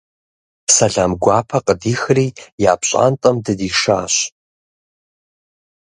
Сэлам гуапэ къыдихри я пщӏантӏэм дыдишащ.